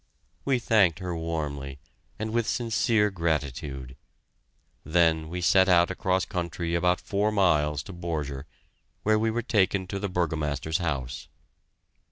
We thanked her warmly, and with sincere gratitude. Then we set out across country about four miles to Borger, where we were taken to the Burgomaster's house.